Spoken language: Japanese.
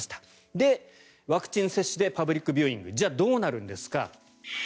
で、ワクチン接種でパブリックビューイングはじゃあどうなるんですか。